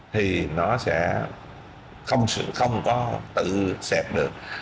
thì nó sẽ không có tự xẹp được